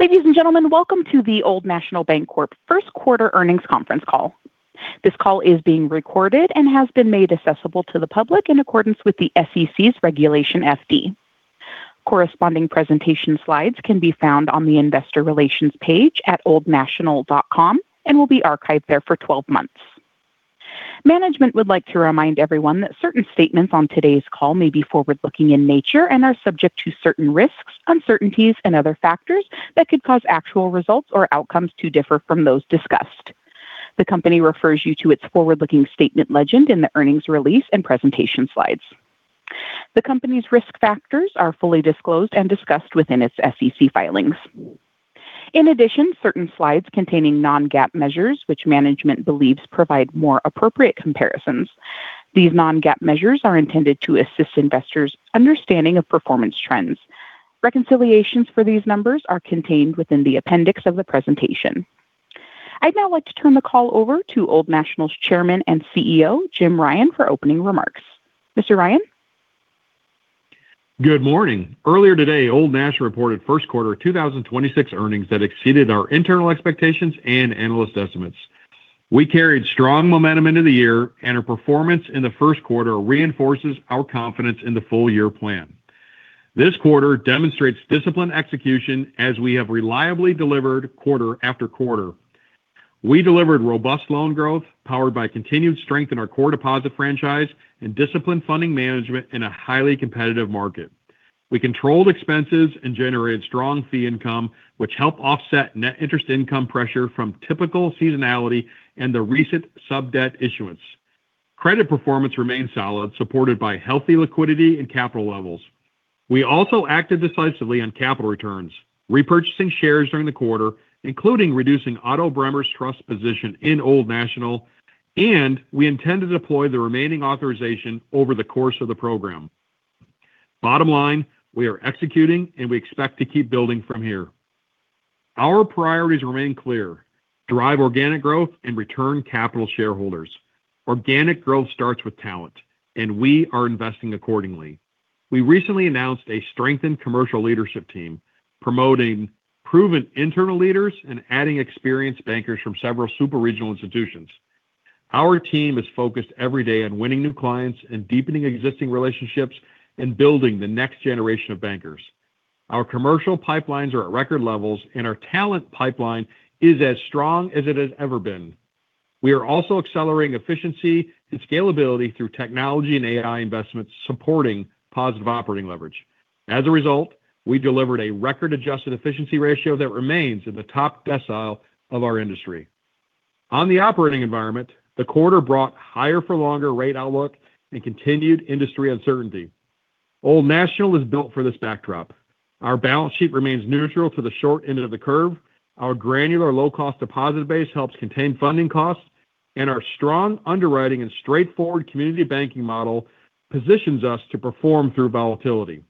Ladies and gentlemen, welcome to the Old National Bancorp first quarter earnings conference call. This call is being recorded and has been made accessible to the public in accordance with the SEC's Regulation FD. Corresponding presentation slides can be found on the investor relations page at oldnational.com and will be archived there for 12 months. Management would like to remind everyone that certain statements on today's call may be forward-looking in nature and are subject to certain risks, uncertainties and other factors that could cause actual results or outcomes to differ from those discussed. The company refers you to its forward-looking statement legend in the earnings release and presentation slides. The company's risk factors are fully disclosed and discussed within its SEC filings. In addition, certain slides contain non-GAAP measures which management believes provide more appropriate comparisons. These non-GAAP measures are intended to assist investors' understanding of performance trends. Reconciliations for these numbers are contained within the appendix of the presentation. I'd now like to turn the call over to Old National's Chairman and CEO, Jim Ryan, for opening remarks. Mr. Ryan? Good morning. Earlier today, Old National reported first quarter 2026 earnings that exceeded our internal expectations and analyst estimates. We carried strong momentum into the year, and our performance in the first quarter reinforces our confidence in the full year plan. This quarter demonstrates disciplined execution as we have reliably delivered quarter after quarter. We delivered robust loan growth powered by continued strength in our core deposit franchise and disciplined funding management in a highly competitive market. We controlled expenses and generated strong fee income, which help offset net interest income pressure from typical seasonality and the recent sub-debt issuance. Credit performance remained solid, supported by healthy liquidity and capital levels. We also acted decisively on capital returns, repurchasing shares during the quarter, including reducing Otto Bremer's trust position in Old National, and we intend to deploy the remaining authorization over the course of the program. Bottom line, we are executing and we expect to keep building from here. Our priorities remain clear. Drive organic growth and return capital to shareholders. Organic growth starts with talent and we are investing accordingly. We recently announced a strengthened commercial leadership team promoting proven internal leaders and adding experienced bankers from several super-regional institutions. Our team is focused every day on winning new clients and deepening existing relationships and building the next generation of bankers. Our commercial pipelines are at record levels and our talent pipeline is as strong as it has ever been. We are also accelerating efficiency and scalability through technology and AI investments supporting positive operating leverage. As a result, we delivered a record-adjusted efficiency ratio that remains in the top decile of our industry. On the operating environment, the quarter brought higher-for-longer rate outlook and continued industry uncertainty. Old National is built for this backdrop. Our balance sheet remains neutral to the short end of the curve. Our granular low-cost deposit base helps contain funding costs, and our strong underwriting and straightforward community banking model positions us to perform through volatility.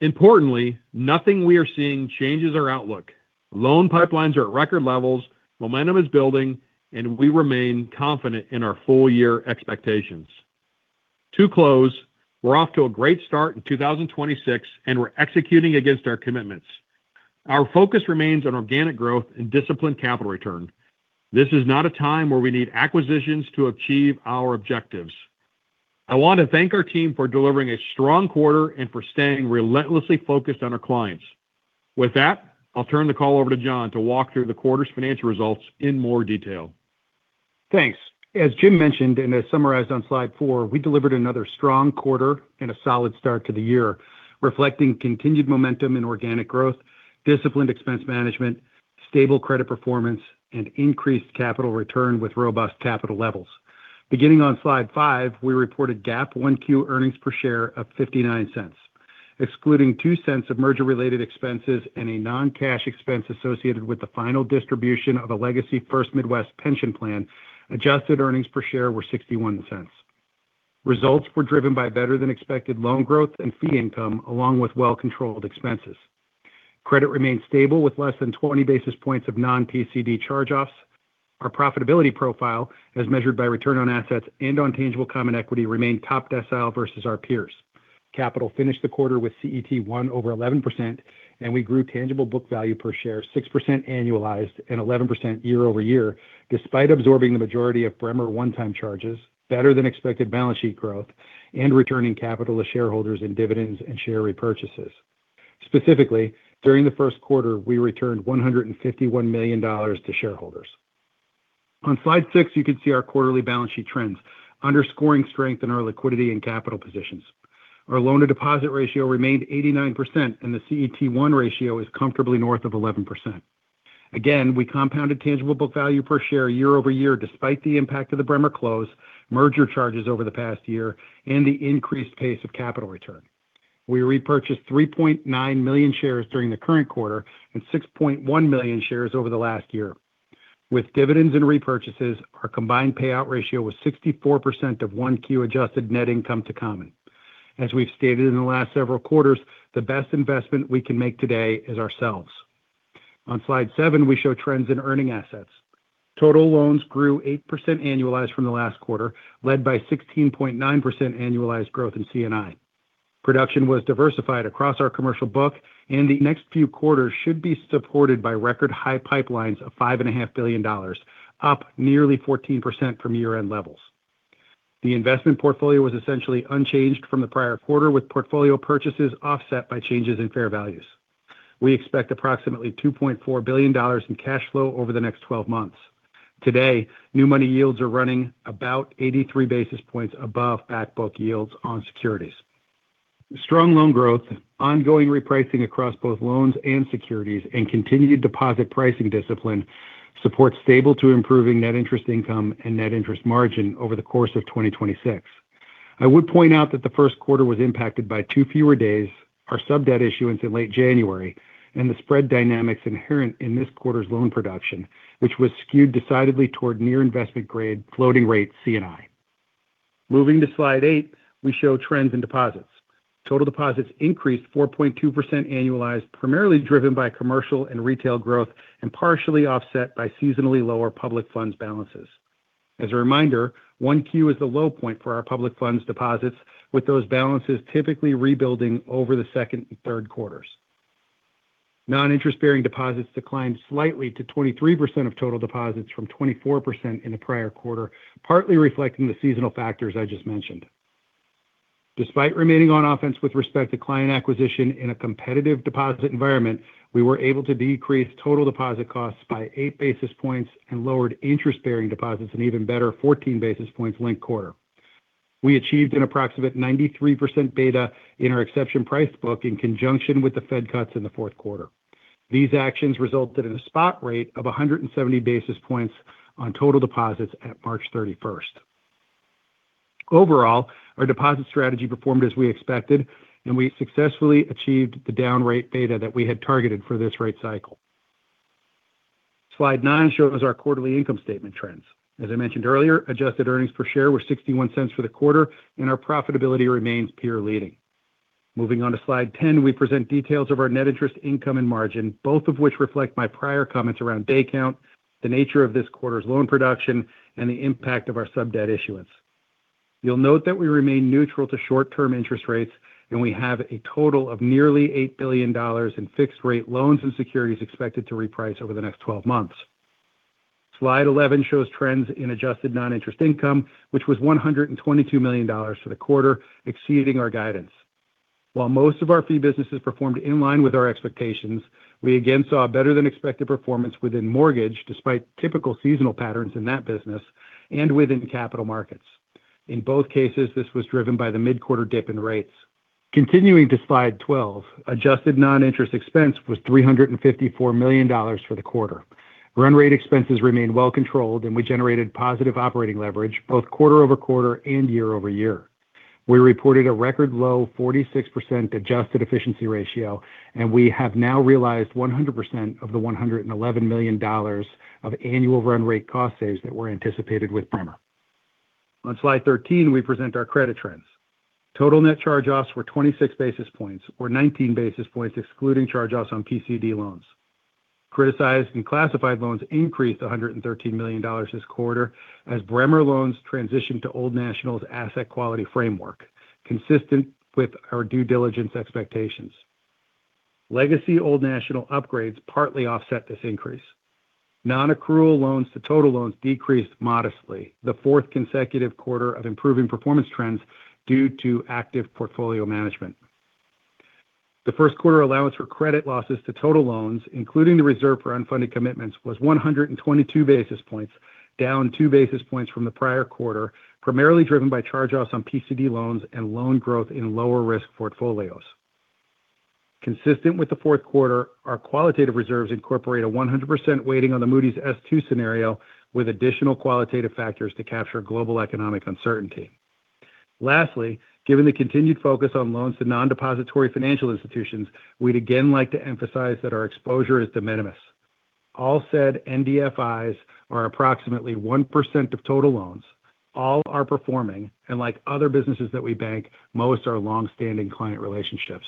Importantly, nothing we are seeing changes our outlook. Loan pipelines are at record levels, momentum is building, and we remain confident in our full year expectations. To close, we're off to a great start in 2026 and we're executing against our commitments. Our focus remains on organic growth and disciplined capital return. This is not a time where we need acquisitions to achieve our objectives. I want to thank our team for delivering a strong quarter and for staying relentlessly focused on our clients. With that, I'll turn the call over to John to walk through the quarter's financial results in more detail. Thanks. As Jim mentioned and is summarized on slide four, we delivered another strong quarter and a solid start to the year, reflecting continued momentum in organic growth, disciplined expense management, stable credit performance and increased capital return with robust capital levels. Beginning on slide five, we reported GAAP 1Q earnings per share of $0.59. Excluding $0.02 of merger-related expenses and a non-cash expense associated with the final distribution of a legacy First Midwest pension plan, adjusted earnings per share were $0.61. Results were driven by better-than-expected loan growth and fee income, along with well-controlled expenses. Credit remained stable with less than 20 basis points of non-PCD charge-offs. Our profitability profile, as measured by return on assets and on tangible common equity, remained top decile versus our peers. We finished the quarter with CET1 over 11%, and we grew tangible book value per share 6% annualized and 11% year-over-year, despite absorbing the majority of Bremer one-time charges, better-than-expected balance sheet growth, and returning capital to shareholders in dividends and share repurchases. Specifically, during the first quarter, we returned $151 million to shareholders. On slide six, you can see our quarterly balance sheet trends underscoring strength in our liquidity and capital positions. Our loan-to-deposit ratio remained 89%, and the CET1 ratio is comfortably north of 11%. Again, we compounded tangible book value per share year-over-year despite the impact of the Bremer close, merger charges over the past year, and the increased pace of capital return. We repurchased 3.9 million shares during the current quarter and 6.1 million shares over the last year. With dividends and repurchases, our combined payout ratio was 64% of 1Q adjusted net income to common. As we've stated in the last several quarters, the best investment we can make today is ourselves. On slide seven, we show trends in earning assets. Total loans grew 8% annualized from the last quarter, led by 16.9% annualized growth in C&I. Production was diversified across our commercial book, and the next few quarters should be supported by record-high pipelines of $5.5 billion, up nearly 14% from year-end levels. The investment portfolio was essentially unchanged from the prior quarter, with portfolio purchases offset by changes in fair values. We expect approximately $2.4 billion in cash flow over the next 12 months. Today, new money yields are running about 83 basis points above back book yields on securities. Strong loan growth, ongoing repricing across both loans and securities, and continued deposit pricing discipline support stable to improving net interest income and net interest margin over the course of 2026. I would point out that the first quarter was impacted by two fewer days, our sub-debt issuance in late January, and the spread dynamics inherent in this quarter's loan production, which was skewed decidedly toward near investment grade floating rate C&I. Moving to slide eight, we show trends in deposits. Total deposits increased 4.2% annualized, primarily driven by commercial and retail growth and partially offset by seasonally lower public funds balances. As a reminder, 1Q is the low point for our public funds deposits, with those balances typically rebuilding over the second and third quarters. Non-interest-bearing deposits declined slightly to 23% of total deposits from 24% in the prior quarter, partly reflecting the seasonal factors I just mentioned. Despite remaining on offense with respect to client acquisition in a competitive deposit environment, we were able to decrease total deposit costs by eight basis points and lowered interest-bearing deposits an even better 14 basis points linked-quarter. We achieved an approximate 93% beta in our exception price book in conjunction with the Fed cuts in the fourth quarter. These actions resulted in a spot rate of 170 basis points on total deposits at March 31st. Overall, our deposit strategy performed as we expected, and we successfully achieved the down rate beta that we had targeted for this rate cycle. Slide nine shows our quarterly income statement trends. As I mentioned earlier, adjusted earnings per share were $0.61 for the quarter, and our profitability remains peer leading. Moving on to slide 10, we present details of our net interest income and margin, both of which reflect my prior comments around day count, the nature of this quarter's loan production, and the impact of our sub-debt issuance. You'll note that we remain neutral to short-term interest rates, and we have a total of nearly $8 billion in fixed-rate loans and securities expected to reprice over the next 12 months. Slide 11 shows trends in adjusted non-interest income, which was $122 million for the quarter, exceeding our guidance. While most of our fee businesses performed in line with our expectations, we again saw better-than-expected performance within mortgage, despite typical seasonal patterns in that business and within capital markets. In both cases, this was driven by the mid-quarter dip in rates. Continuing to slide 12, adjusted non-interest expense was $354 million for the quarter. Run rate expenses remained well controlled, and we generated positive operating leverage both quarter-over-quarter and year-over-year. We reported a record low 46% adjusted efficiency ratio, and we have now realized 100% of the $111 million of annual run rate cost saves that were anticipated with Bremer. On slide 13, we present our credit trends. Total net charge-offs were 26 basis points, or 19 basis points excluding charge-offs on PCD loans. Criticized and classified loans increased $113 million this quarter as Bremer loans transitioned to Old National's asset quality framework, consistent with our due diligence expectations. Legacy Old National upgrades partly offset this increase. Non-accrual loans to total loans decreased modestly, the fourth consecutive quarter of improving performance trends due to active portfolio management. The first quarter allowance for credit losses to total loans, including the reserve for unfunded commitments, was 122 basis points, down two basis points from the prior quarter, primarily driven by charge-offs on PCD loans and loan growth in lower-risk portfolios. Consistent with the fourth quarter, our qualitative reserves incorporate a 100% weighting on the Moody's S2 scenario with additional qualitative factors to capture global economic uncertainty. Lastly, given the continued focus on loans to non-depository financial institutions, we'd again like to emphasize that our exposure is de minimis. All said, NDFIs are approximately 1% of total loans, all are performing, and like other businesses that we bank, most are longstanding client relationships.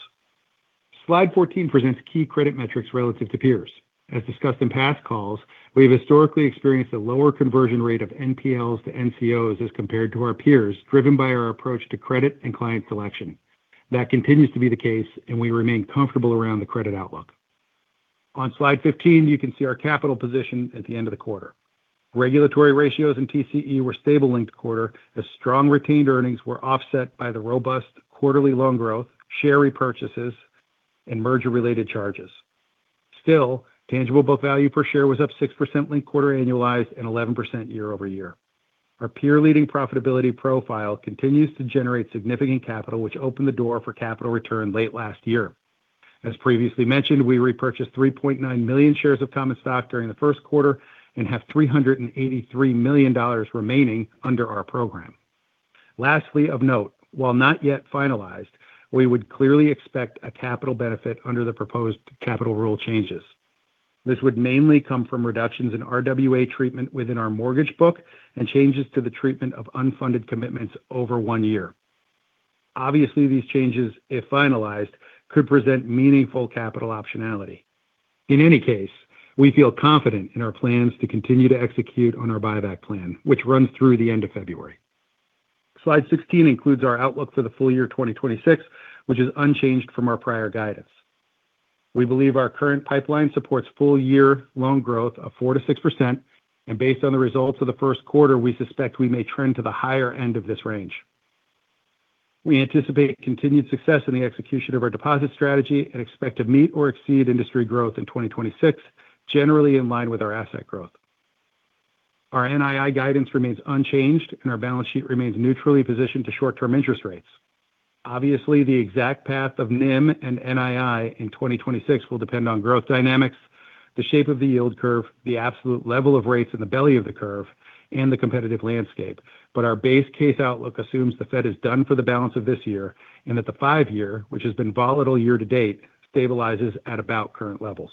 Slide 14 presents key credit metrics relative to peers. As discussed in past calls, we've historically experienced a lower conversion rate of NPLs to NCOs as compared to our peers, driven by our approach to credit and client selection. That continues to be the case, and we remain comfortable around the credit outlook. On Slide 15, you can see our capital position at the end of the quarter. Regulatory ratios and TCE were stable linked-quarter as strong retained earnings were offset by the robust quarterly loan growth, share repurchases, and merger-related charges. Still, tangible book value per share was up 6% linked-quarter annualized and 11% year-over-year. Our peer-leading profitability profile continues to generate significant capital, which opened the door for capital return late last year. As previously mentioned, we repurchased 3.9 million shares of common stock during the first quarter and have $383 million remaining under our program. Lastly, of note, while not yet finalized, we would clearly expect a capital benefit under the proposed capital rule changes. This would mainly come from reductions in RWA treatment within our mortgage book and changes to the treatment of unfunded commitments over one year. Obviously, these changes, if finalized, could present meaningful capital optionality. In any case, we feel confident in our plans to continue to execute on our buyback plan, which runs through the end of February. Slide 16 includes our outlook for the full year 2026, which is unchanged from our prior guidance. We believe our current pipeline supports full-year loan growth of 4%-6%, and based on the results of the first quarter, we suspect we may trend to the higher end of this range. We anticipate continued success in the execution of our deposit strategy and expect to meet or exceed industry growth in 2026, generally in line with our asset growth. Our NII guidance remains unchanged, and our balance sheet remains neutrally positioned to short-term interest rates. Obviously, the exact path of NIM and NII in 2026 will depend on growth dynamics, the shape of the yield curve, the absolute level of rates in the belly of the curve, and the competitive landscape. Our base case outlook assumes the Fed is done for the balance of this year and that the five-year, which has been volatile year to date, stabilizes at about current levels.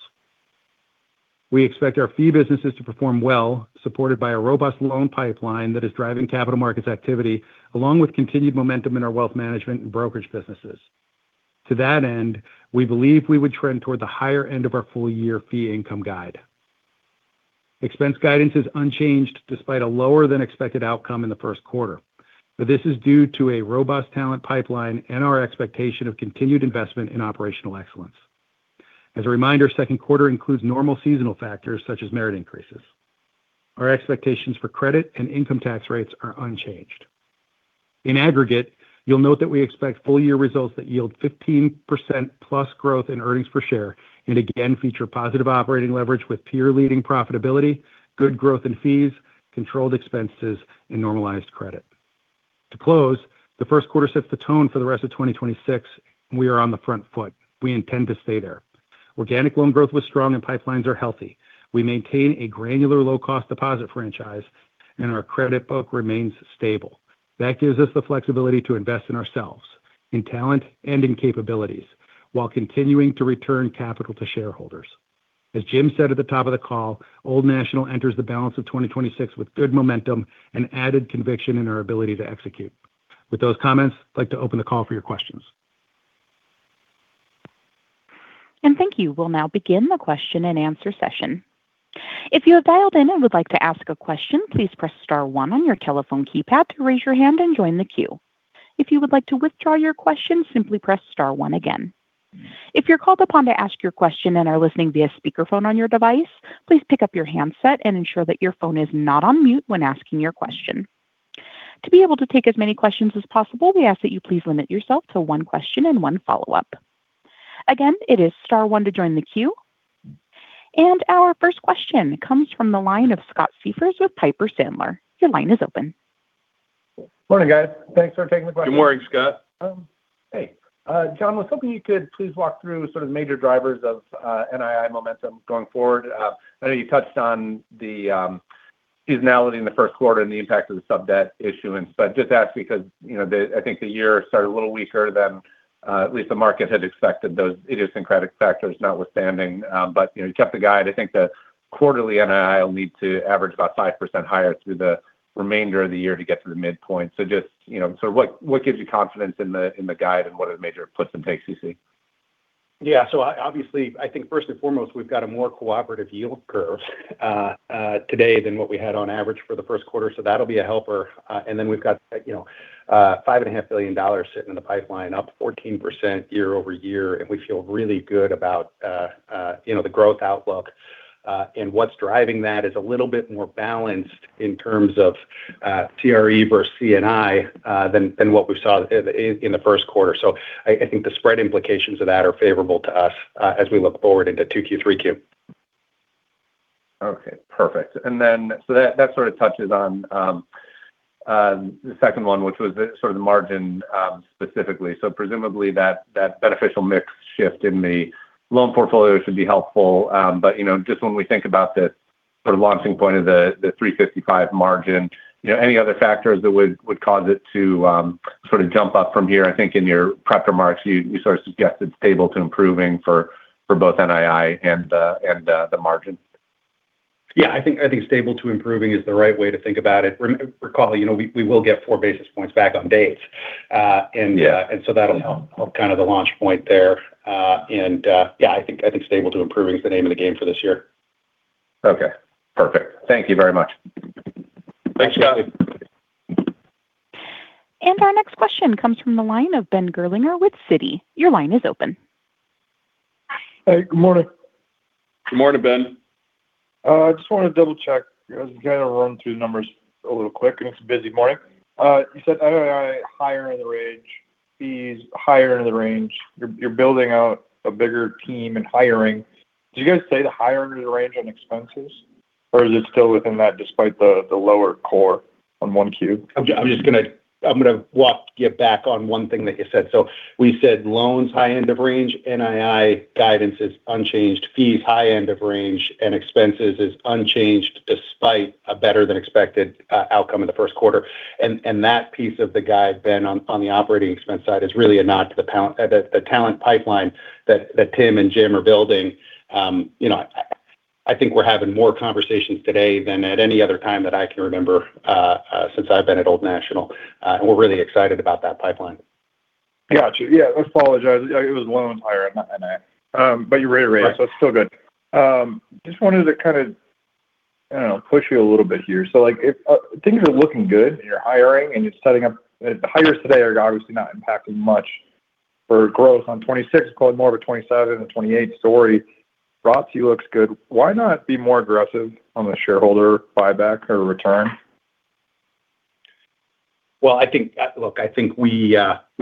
We expect our fee businesses to perform well, supported by a robust loan pipeline that is driving capital markets activity, along with continued momentum in our wealth management and brokerage businesses. To that end, we believe we would trend toward the higher end of our full-year fee income guide. Expense guidance is unchanged despite a lower-than-expected outcome in the first quarter, but this is due to a robust talent pipeline and our expectation of continued investment in operational excellence. As a reminder, second quarter includes normal seasonal factors such as merit increases. Our expectations for credit and income tax rates are unchanged. In aggregate, you'll note that we expect full-year results that yield 15%+ growth in earnings per share and again feature positive operating leverage with peer-leading profitability, good growth in fees, controlled expenses, and normalized credit. To close, the first quarter sets the tone for the rest of 2026. We are on the front foot. We intend to stay there. Organic loan growth was strong and pipelines are healthy. We maintain a granular low-cost deposit franchise and our credit book remains stable. That gives us the flexibility to invest in ourselves, in talent and in capabilities while continuing to return capital to shareholders. As Jim said at the top of the call, Old National enters the balance of 2026 with good momentum and added conviction in our ability to execute. With those comments, I'd like to open the call for your questions. Thank you. We'll now begin the question and answer session. If you have dialed in and would like to ask a question, please press star one on your telephone keypad to raise your hand and join the queue. If you would like to withdraw your question, simply press star one again. If you're called upon to ask your question and are listening via speakerphone on your device, please pick up your handset and ensure that your phone is not on mute when asking your question. To be able to take as many questions as possible, we ask that you please limit yourself to one question and one follow-up. Again, it is star one to join the queue. Our first question comes from the line of Scott Siefers with Piper Sandler. Your line is open. Morning, guys. Thanks for taking the question. Good morning, Scott. Hey. John, I was hoping you could please walk through sort of the major drivers of NII momentum going forward. I know you touched on the seasonality in the first quarter and the impact of the sub-debt issuance, but just to ask because I think the year started a little weaker than at least the market had expected, those idiosyncratic factors notwithstanding. You kept the guide. I think the quarterly NII will need to average about 5% higher through the remainder of the year to get to the midpoint. Just sort of what gives you confidence in the guide and what are the major puts and takes you see? Yeah. Obviously, I think first and foremost, we've got a more cooperative yield curve today than what we had on average for the first quarter, so that'll be a helper. Then we've got $5.5 billion sitting in the pipeline, up 14% year-over-year, and we feel really good about the growth outlook. What's driving that is a little bit more balanced in terms of CRE versus C&I than what we saw in the first quarter. I think the spread implications of that are favorable to us as we look forward into 2Q, 3Q. Okay, perfect. That sort of touches on the second one, which was the sort of margin specifically. Presumably that beneficial mix shift in the loan portfolio should be helpful. Just when we think about the sort of launching point of the 3.55 margin, any other factors that would cause it to sort of jump up from here? I think in your prep remarks, you sort of suggested stable to improving for both NII and the margin. Yeah, I think stable to improving is the right way to think about it. Recall, we will get four basis points back on base. Yeah. That'll help kind of the launch point there. Yeah, I think stable to improving is the name of the game for this year. Okay, perfect. Thank you very much. Thanks, Scott. Our next question comes from the line of Ben Gerlinger with Citi. Your line is open. Hey, good morning. Good morning, Ben. I just want to double-check as you kind of run through the numbers a little quick, and it's a busy morning. You said NII higher in the range, fees higher end of the range. You're building out a bigger team and hiring. Did you guys say the higher end of the range on expenses, or is it still within that despite the lower core on 1Q? I'm going to walk you back on one thing that you said. We said loans high end of range, NII guidance is unchanged, fees high end of range, and expenses is unchanged despite a better-than-expected outcome in the first quarter. That piece of the guide, Ben, on the operating expense side is really a nod to the talent pipeline that Tim and Jim are building. I think we're having more conversations today than at any other time that I can remember since I've been at Old National. We're really excited about that pipeline. Gotcha. Yeah, I apologize. It was loan hire, not M&A. You reiterated it, so it's still good. Just wanted to kind of push you a little bit here. If things are looking good and you're hiring and you're setting up, the hires today are obviously not impacting much for growth on 2026, it's probably more of a 2027 and 2028 story. ROAE looks good. Why not be more aggressive on the shareholder buyback or return? Well, look, I think we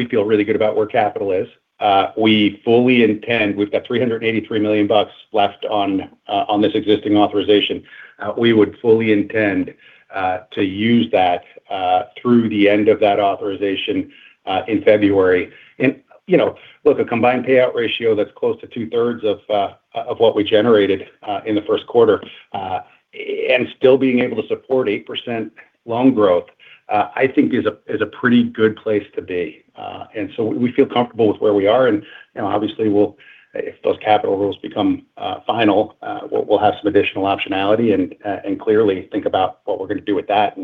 feel really good about where capital is. We've got $383 million left on this existing authorization. We would fully intend to use that through the end of that authorization in February. Look, a combined payout ratio that's close to 2/3 of what we generated in the first quarter, and still being able to support 8% loan growth, I think is a pretty good place to be. We feel comfortable with where we are. Obviously, if those capital rules become final, we'll have some additional optionality and clearly think about what we're going to do with that.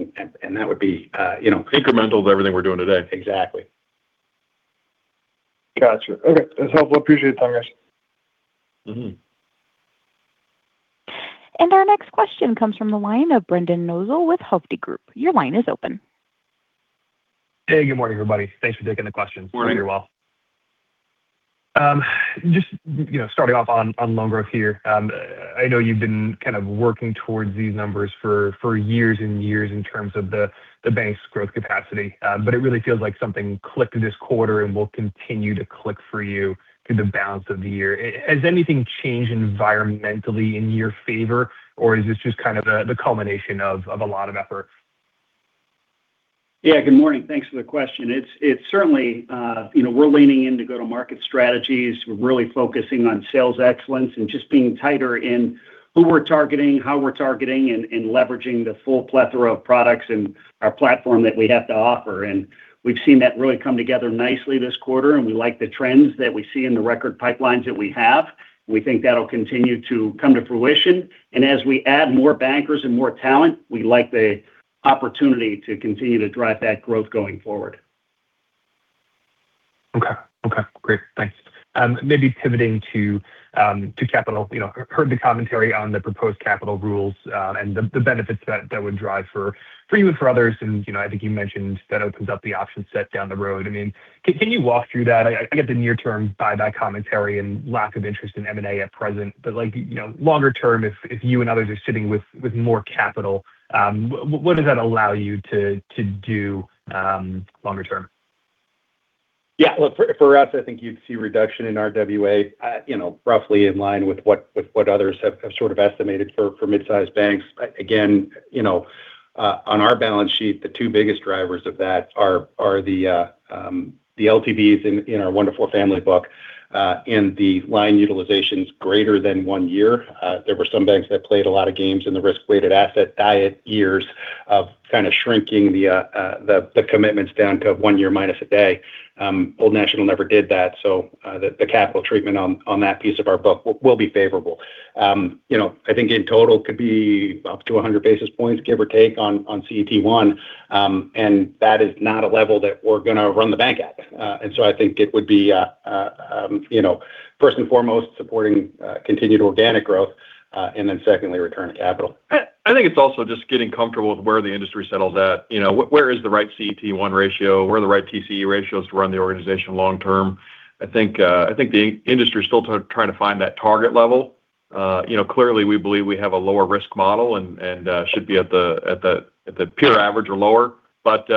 That would be. Incremental to everything we're doing today. Exactly. Got you. Okay. That's helpful. Appreciate the time, guys. Our next question comes from the line of Brendan Nosal with Hovde Group. Your line is open. Hey, good morning, everybody. Thanks for taking the questions. Morning, Nosal. Just starting off on loan growth here. I know you've been kind of working towards these numbers for years and years in terms of the bank's growth capacity. It really feels like something clicked this quarter and will continue to click for you through the balance of the year. Has anything changed environmentally in your favor, or is this just kind of the culmination of a lot of efforts? Yeah. Good morning. Thanks for the question. Certainly we're leaning into go-to-market strategies. We're really focusing on sales excellence and just being tighter in who we're targeting, how we're targeting, and leveraging the full plethora of products and our platform that we have to offer. We've seen that really come together nicely this quarter, and we like the trends that we see in the record pipelines that we have. We think that'll continue to come to fruition. As we add more bankers and more talent, we like the opportunity to continue to drive that growth going forward. Okay. Great. Thanks. Maybe pivoting to capital. Heard the commentary on the proposed capital rules and the benefits that would drive for you and for others. I think you mentioned that opens up the option set down the road. Can you walk through that? I get the near-term buyback commentary and lack of interest in M&A at present. Longer term, if you and others are sitting with more capital, what does that allow you to do longer term? Yeah. Look, for us, I think you'd see a reduction in our RWA roughly in line with what others have sort of estimated for mid-size banks. Again, on our balance sheet, the two biggest drivers of that are the LTVs in our wonderful family book and the line utilizations greater than one year. There were some banks that played a lot of games in the risk-weighted asset diet years of kind of shrinking the commitments down to one year minus a day. Old National never did that. The capital treatment on that piece of our book will be favorable. I think in total could be up to 100 basis points, give or take, on CET1. That is not a level that we're going to run the bank at. I think it would be first and foremost supporting continued organic growth. Secondly, return of capital. I think it's also just getting comfortable with where the industry settles at. Where is the right CET1 ratio? Where are the right TCE ratios to run the organization long term? I think the industry is still trying to find that target level. Clearly we believe we have a lower risk model and should be at the peer average or lower. There's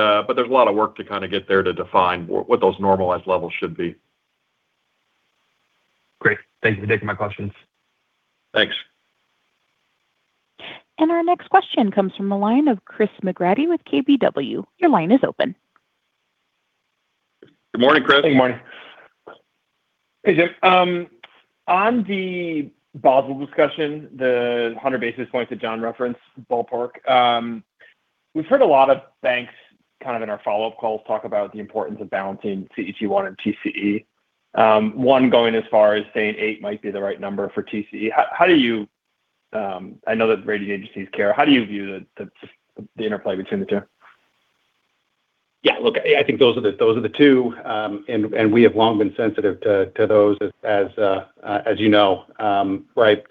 a lot of work to kind of get there to define what those normalized levels should be. Great. Thank you for taking my questions. Thanks. Our next question comes from the line of Chris McGratty with KBW. Your line is open. Good morning, Chris. Good morning. Hey, Jim. On the Basel discussion, the 100 basis points that John referenced, ballpark. We've heard a lot of banks kind of in our follow-up calls talk about the importance of balancing CET1 and TCE. One going as far as saying eight might be the right number for TCE. I know that rating agencies care. How do you view the interplay between the two? Yeah. Look, I think those are the two, and we have long been sensitive to those as you know. Right.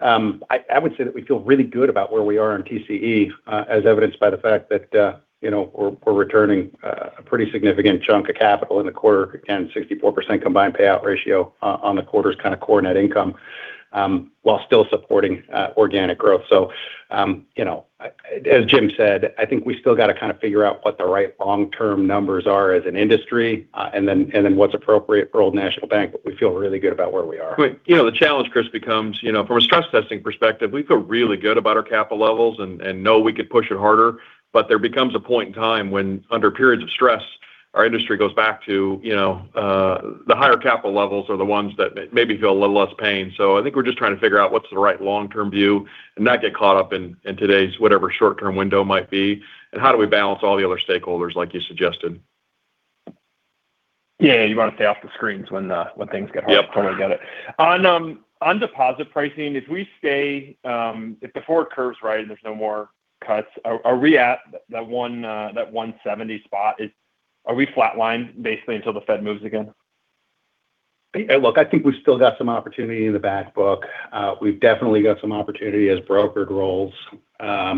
I would say that we feel really good about where we are on TCE, as evidenced by the fact that we're returning a pretty significant chunk of capital in the quarter. Again, 64% combined payout ratio on the quarter's kind of core net income, while still supporting organic growth. As Jim said, I think we still got to kind of figure out what the right long-term numbers are as an industry. Then what's appropriate for Old National Bank. We feel really good about where we are. The challenge, Chris, becomes from a stress testing perspective, we feel really good about our capital levels and know we could push it harder. There becomes a point in time when, under periods of stress, our industry goes back to the higher capital levels are the ones that maybe feel a little less pain. I think we're just trying to figure out what's the right long-term view and not get caught up in today's whatever short-term window might be, and how do we balance all the other stakeholders like you suggested. Yeah. You want to stay off the screens when things get hard. Yep. Totally get it. On deposit pricing, if the forward curves right and there's no more cuts, are we at that 170 spot? Are we flatlined basically until the Fed moves again? Hey, look, I think we've still got some opportunity in the back book. We've definitely got some opportunity as brokered rolls. I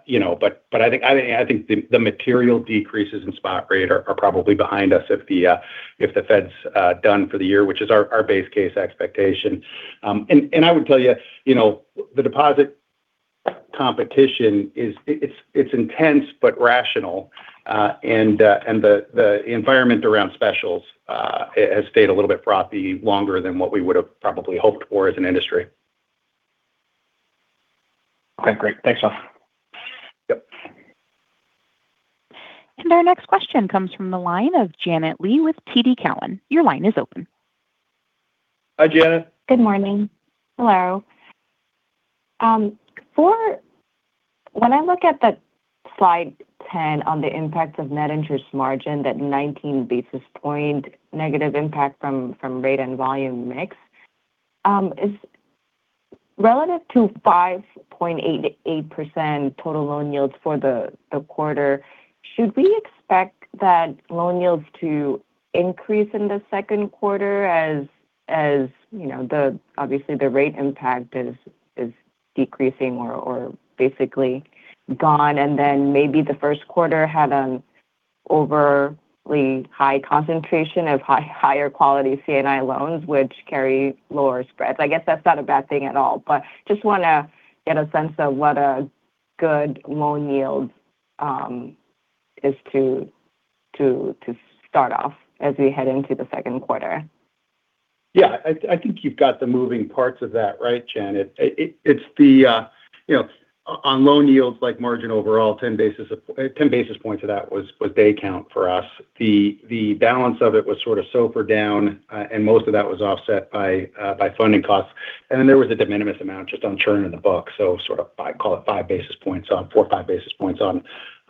think the material decreases in spot rate are probably behind us if the Fed's done for the year, which is our base case expectation. I would tell you, the deposit competition is intense but rational. The environment around specials has stayed a little bit frothy longer than what we would've probably hoped for as an industry. Okay, great. Thanks a lot. Yep. Our next question comes from the line of Janet Lee with TD Cowen. Your line is open. Hi, Janet. Good morning. Hello. When I look at the slide 10 on the impacts of net interest margin, that 19 basis points negative impact from rate and volume mix relative to 5.88% total loan yields for the quarter, should we expect that loan yields to increase in the second quarter? As obviously, the rate impact is decreasing or basically gone, and then maybe the first quarter had an overly high concentration of higher quality C&I loans which carry lower spreads. I guess that's not a bad thing at all, but I just want to get a sense of what a good loan yield is to start off as we head into the second quarter. Yeah. I think you've got the moving parts of that right, Janet. On loan yields like margin overall, 10 basis points of that was day count for us. The balance of it was sort of SOFR down, and most of that was offset by funding costs. There was a de minimis amount just on churn in the book, so sort of call it five basis points, four or five basis points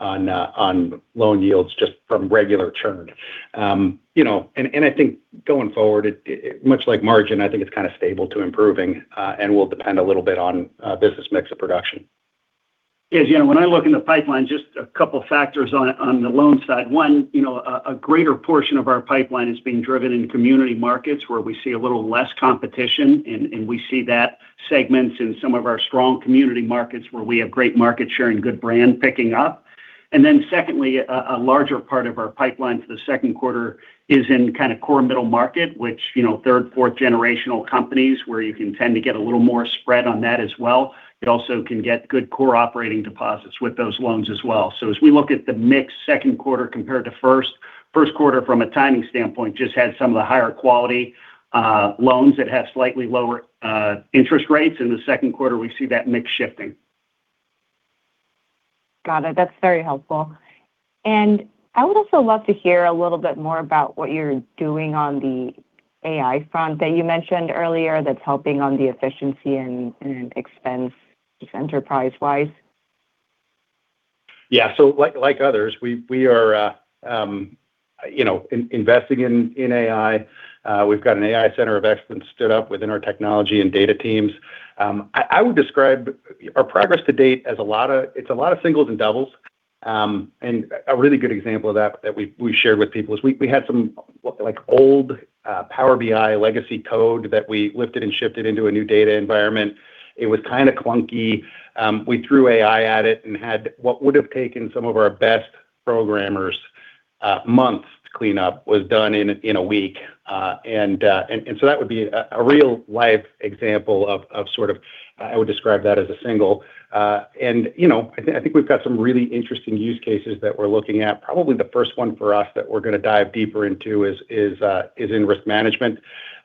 on loan yields just from regular churn. I think going forward, much like margin, I think it's kind of stable to improving, and will depend a little bit on business mix of production. Yes, Janet, when I look in the pipeline, just a couple factors on the loans side. One, a greater portion of our pipeline is being driven in community markets where we see a little less competition in. We see that segments in some of our strong community markets where we have great market share and good brand picking up. Secondly, a larger part of our pipeline for the second quarter is in kind of core middle market, which third, fourth generational companies where you can tend to get a little more spread on that as well. It also can get good core operating deposits with those loans as well. As we look at the mix second quarter compared to first. First quarter from a timing standpoint just had some of the higher quality loans that have slightly lower interest rates. In the second quarter, we see that mix shifting. Got it. That's very helpful. I would also love to hear a little bit more about what you're doing on the AI front that you mentioned earlier that's helping on the efficiency and expense enterprise-wise. Yeah. Like others, we are investing in AI. We've got an AI center of excellence stood up within our technology and data teams. I would describe our progress to date as it's a lot of singles and doubles. A really good example of that that we shared with people is we had some old Power BI legacy code that we lifted and shifted into a new data environment. It was kind of clunky. We threw AI at it and had what would've taken some of our best programmers months to clean up, was done in a week. That would be a real-life example of sort of, I would describe that as a single. I think we've got some really interesting use cases that we're looking at. Probably the first one for us that we're going to dive deeper into is in risk management.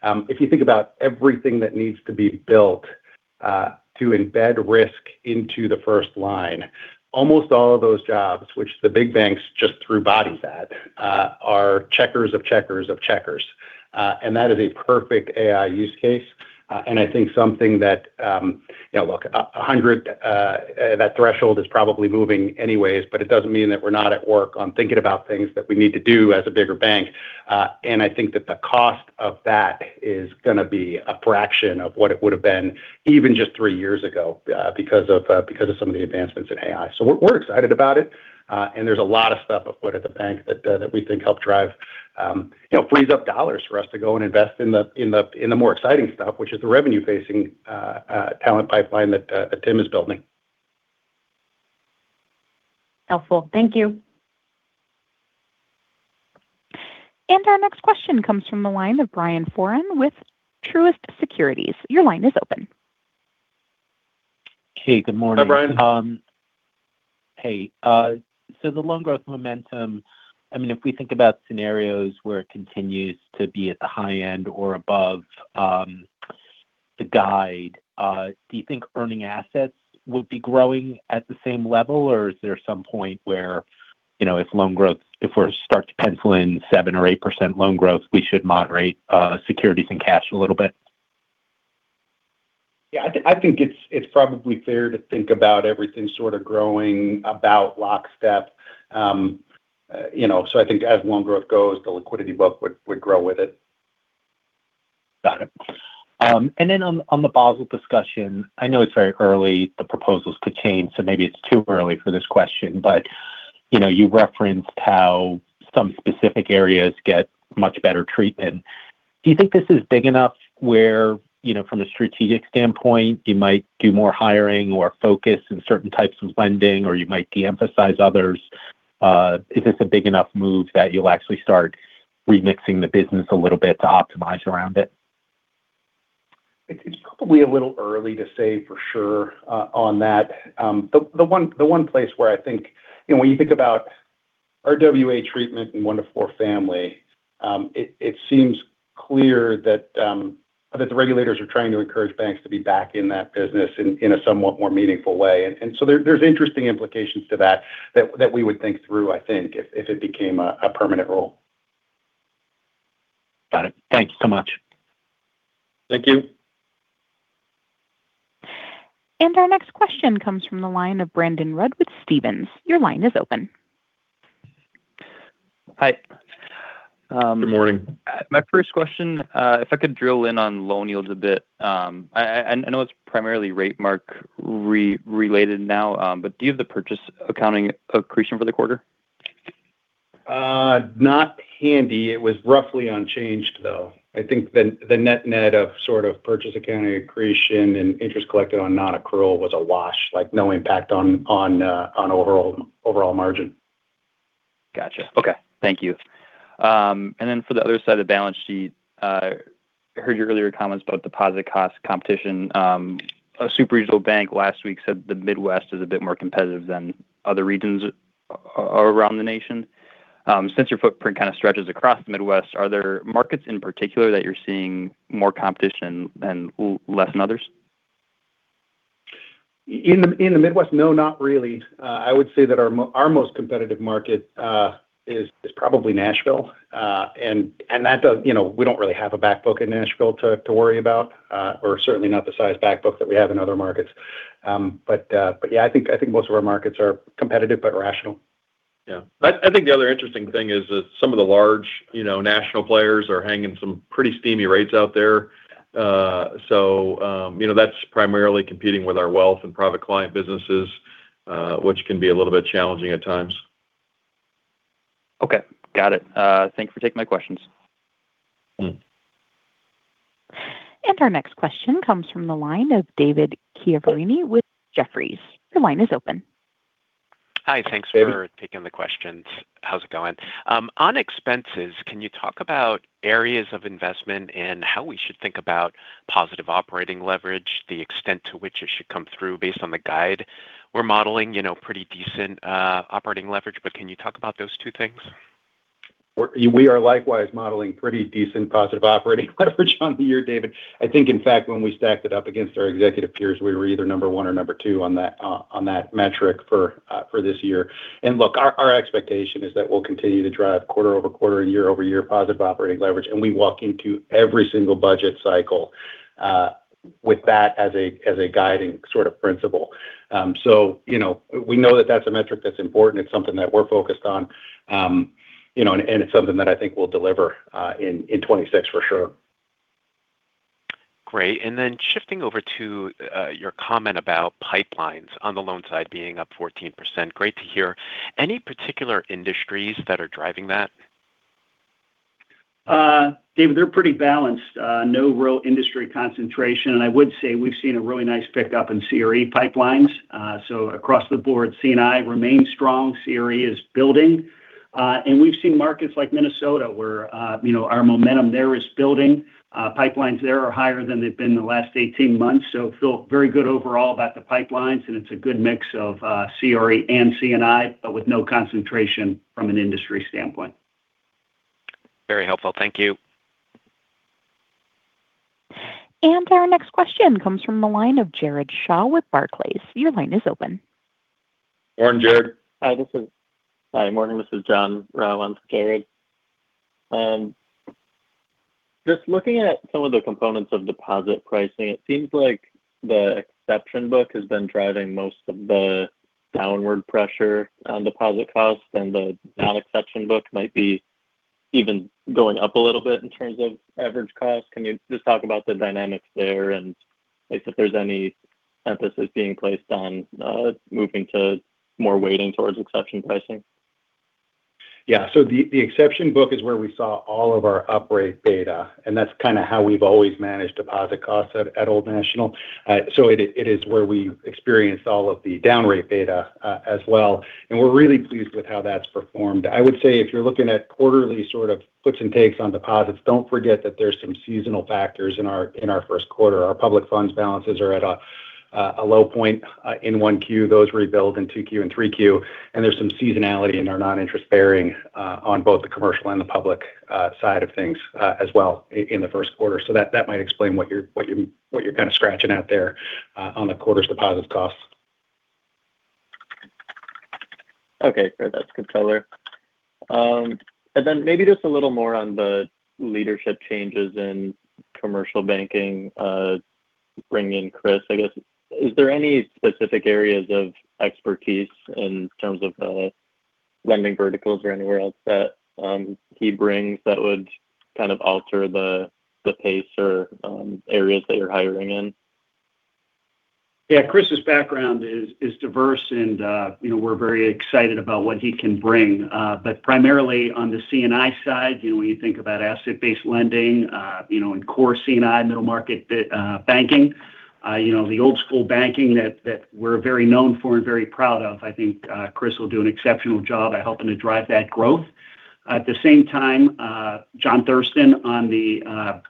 If you think about everything that needs to be built to embed risk into the first line, almost all of those jobs, which the big banks just threw bodies at, are checkers of checkers of checkers. That is a perfect AI use case. I think something that, look, 100, that threshold is probably moving anyways, but it doesn't mean that we're not at work on thinking about things that we need to do as a bigger bank. I think that the cost of that is going to be a fraction of what it would've been even just three years ago because of some of the advancements in AI. We're excited about it. There's a lot of stuff afoot at the bank that we think help drive, frees up dollars for us to go and invest in the more exciting stuff, which is the revenue-facing talent pipeline that Tim is building. Helpful. Thank you. Our next question comes from the line of Brian Foran with Truist Securities. Your line is open. Hey, Good morning. Hi, Brian. Hey. The loan growth momentum, if we think about scenarios where it continues to be at the high end or above the guide, do you think earning assets will be growing at the same level, or is there some point where, if we're starting to pencil in 7% or 8% loan growth, we should moderate securities and cash a little bit? Yeah. I think it's probably fair to think about everything sort of growing in lockstep. I think as loan growth goes, the liquidity book would grow with it. Got it. On the Basel discussion, I know it's very early, the proposals could change, so maybe it's too early for this question, but you referenced how some specific areas get much better treatment. Do you think this is big enough where, from the strategic standpoint, you might do more hiring or focus in certain types of lending, or you might de-emphasize others? Is this a big enough move that you'll actually start remixing the business a little bit to optimize around it? It's probably a little early to say for sure on that. The one place where I think when you think about RWA treatment in one to four family, it seems clear that the regulators are trying to encourage banks to be back in that business in a somewhat more meaningful way. There's interesting implications to that we would think through, I think, if it became a permanent rule. Got it. Thank you so much. Thank you. Our next question comes from the line of Brandon Rud with Stephens. Your line is open. Hi. Good morning. My first question, if I could drill in on loan yields a bit. I know it's primarily rate mark related now, but do you have the purchase accounting accretion for the quarter? Not handy. It was roughly unchanged, though. I think the net-net of sort of purchase accounting accretion and interest collected on non-accrual was a wash, no impact on overall margin. Got you. Okay. Thank you. For the other side of the balance sheet, I heard your earlier comments about deposit cost competition. A super regional bank last week said the Midwest is a bit more competitive than other regions around the nation. Since your footprint kind of stretches across the Midwest, are there markets in particular that you're seeing more competition and less than others? In the Midwest, no, not really. I would say that our most competitive market is probably Nashville. We don't really have a back book in Nashville to worry about, or certainly not the size back book that we have in other markets. Yeah, I think most of our markets are competitive but rational. Yeah. I think the other interesting thing is that some of the large national players are hanging some pretty steamy rates out there. Yeah. That's primarily competing with our wealth and private client businesses, which can be a little bit challenging at times. Okay. Got it. Thanks for taking my questions. Our next question comes from the line of David Chiaverini with Jefferies. Your line is open. Hi. David. Taking the questions. How's it going? On expenses, can you talk about areas of investment and how we should think about positive operating leverage, the extent to which it should come through based on the guide we're modeling, pretty decent operating leverage. Can you talk about those two things? We are likewise modeling pretty decent positive operating leverage on the year, David. I think, in fact, when we stacked it up against our executive peers, we were either number one or number two on that metric for this year. Look, our expectation is that we'll continue to drive quarter-over-quarter, year-over-year positive operating leverage, and we walk into every single budget cycle with that as a guiding sort of principle. We know that that's a metric that's important. It's something that we're focused on. It's something that I think will deliver in 2026 for sure. Great. Shifting over to your comment about pipelines on the loan side being up 14%. Great to hear. Any particular industries that are driving that? David, they're pretty balanced. No real industry concentration. I would say we've seen a really nice pickup in CRE pipelines. Across the board, C&I remains strong. CRE is building. We've seen markets like Minnesota where our momentum there is building. Pipelines there are higher than they've been in the last 18 months. We feel very good overall about the pipelines, and it's a good mix of CRE and C&I, but with no concentration from an industry standpoint. Very helpful. Thank you. Our next question comes from the line of Jared Shaw with Barclays. Your line is open. Morning, Jared. Hi. Morning. This is John Rowan for Jared. Just looking at some of the components of deposit pricing, it seems like the exception book has been driving most of the downward pressure on deposit costs and the non-exception book might be even going up a little bit in terms of average cost. Can you just talk about the dynamics there and if there's any emphasis being placed on moving to more weighting towards exception pricing? Yeah. The exception book is where we saw all of our upgrade data, and that's kind of how we've always managed deposit costs at Old National. It is where we experienced all of the down rate data as well. We're really pleased with how that's performed. I would say if you're looking at quarterly sort of puts and takes on deposits, don't forget that there's some seasonal factors in our first quarter. Our public funds balances are at a low point in 1Q. Those rebuild in 2Q and 3Q. There's some seasonality in our non-interest bearing on both the commercial and the public side of things as well in the first quarter. That might explain what you're kind of scratching out there on the quarter's deposit costs. Okay. That's good color. Maybe just a little more on the leadership changes in commercial banking. Bring in Chris. I guess, is there any specific areas of expertise in terms of the lending verticals or anywhere else that he brings that would kind of alter the pace or areas that you're hiring in? Yeah. Chris's background is diverse and we're very excited about what he can bring. Primarily on the C&I side, when you think about asset-based lending, and core C&I middle market banking, the old school banking that we're very known for and very proud of, I think Chris will do an exceptional job at helping to drive that growth. At the same time, John Thurston on the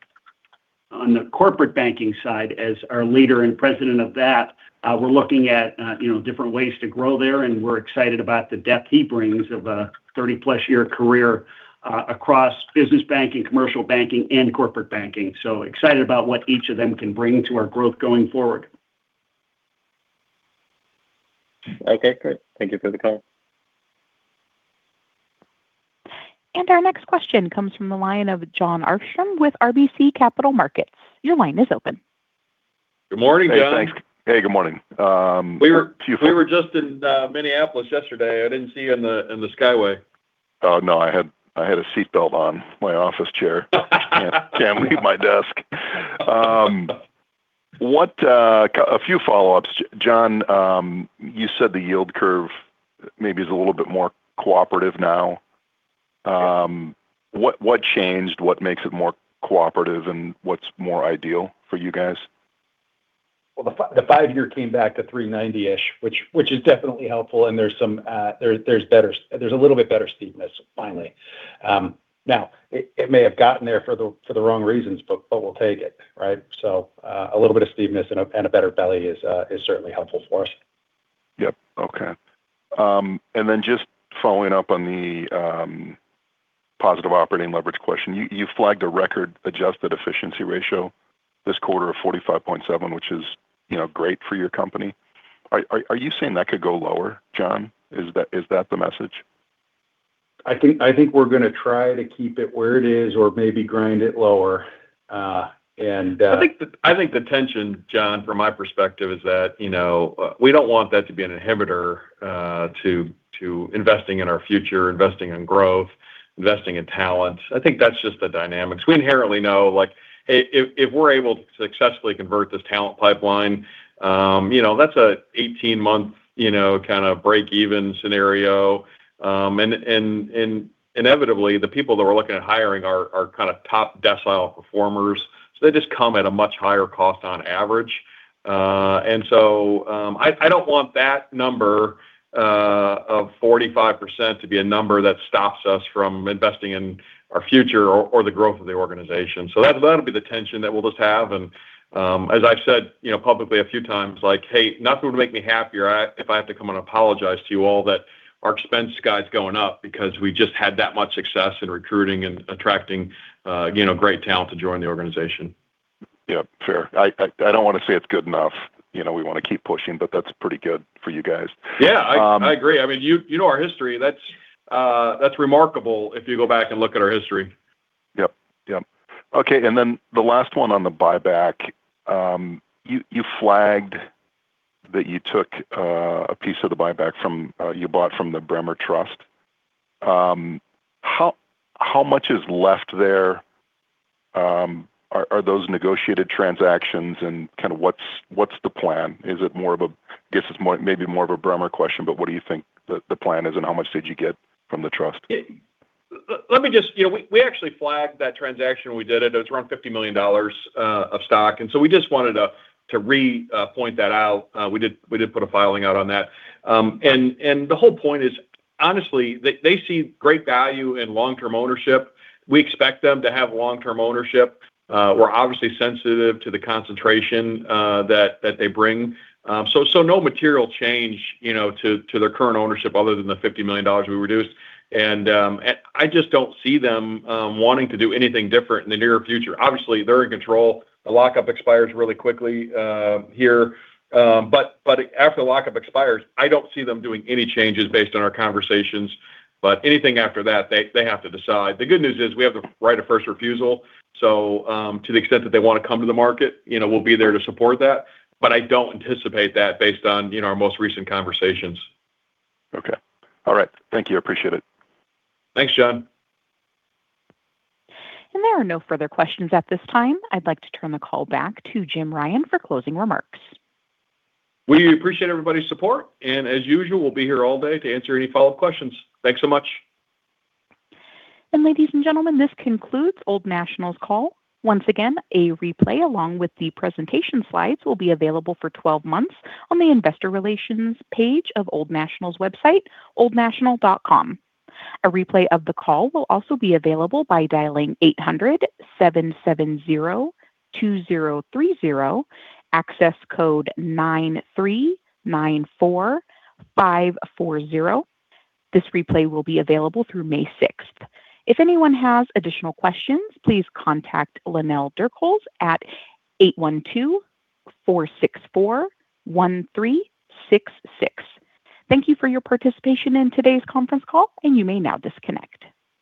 corporate banking side as our leader and President of that, we're looking at different ways to grow there, and we're excited about the depth he brings of a 30+ year career across business banking, commercial banking, and corporate banking. Excited about what each of them can bring to our growth going forward. Okay. Great. Thank you for the color. Our next question comes from the line of Jon Arfstrom with RBC Capital Markets. Your line is open. Good morning, Jon. Hey, thanks. Hey, good morning. We were just in Minneapolis yesterday. I didn't see you in the skyway. Oh, no. I had a seatbelt on my office chair. Can't leave my desk. A few follow-ups. John, you said the yield curve maybe is a little bit more cooperative now. Yep. What changed? What makes it more cooperative, and what's more ideal for you guys? Well, the five-year came back to 390-ish, which is definitely helpful, and there's a little bit better steepness finally. Now, it may have gotten there for the wrong reasons, but we'll take it. Right? A little bit of steepness and a better belly is certainly helpful for us. Yep. Okay. Just following up on the positive operating leverage question. You flagged a record adjusted efficiency ratio this quarter of 45.7%, which is great for your company. Are you saying that could go lower, John? Is that the message? I think we're going to try to keep it where it is or maybe grind it lower. I think the tension, Jon, from my perspective is that, we don't want that to be an inhibitor to investing in our future, investing in growth, investing in talent. I think that's just the dynamics. We inherently know if we're able to successfully convert this talent pipeline, that's a 18-month kind of breakeven scenario. Inevitably, the people that we're looking at hiring are kind of top decile performers, so they just come at a much higher cost on average. I don't want that number of 45% to be a number that stops us from investing in our future or the growth of the organization. That'll be the tension that we'll just have, and as I've said publicly a few times, like, hey, nothing would make me happier if I have to come and apologize to you all that our expense guide's going up because we just had that much success in recruiting and attracting great talent to join the organization. Yep. Fair. I don't want to say it's good enough. We want to keep pushing, but that's pretty good for you guys. Yeah. I agree. You know our history. That's remarkable if you go back and look at our history. Yep. Okay, the last one on the buyback. You flagged that you took a piece of the buyback you bought from the Bremer Trust. How much is left there? Are those negotiated transactions and kind of what's the plan? I guess it's maybe more of a Bremer question, but what do you think the plan is, and how much did you get from the trust? We actually flagged that transaction when we did it. It was around $50 million of stock, and we just wanted to re-point that out. We did put a filing out on that. The whole point is, honestly, they see great value in long-term ownership. We expect them to have long-term ownership. We're obviously sensitive to the concentration that they bring. No material change to their current ownership other than the $50 million we reduced. I just don't see them wanting to do anything different in the near future. Obviously, they're in control. The lock-up expires really quickly here. After the lock-up expires, I don't see them doing any changes based on our conversations. Anything after that, they have to decide. The good news is we have the right of first refusal. To the extent that they want to come to the market, we'll be there to support that. I don't anticipate that based on our most recent conversations. Okay. All right. Thank you. Appreciate it. Thanks, Jon. There are no further questions at this time. I'd like to turn the call back to Jim Ryan for closing remarks. We appreciate everybody's support, and as usual, we'll be here all day to answer any follow-up questions. Thanks so much. Ladies and gentlemen, this concludes Old National's call. Once again, a replay along with the presentation slides will be available for 12 months on the investor relations page of Old National's website, oldnational.com. A replay of the call will also be available by dialing 800-770-2030, access code 9394540. This replay will be available through May 6th. If anyone has additional questions, please contact Lynell Durchholz at 812-464-1366. Thank you for your participation in today's conference call, and you may now disconnect.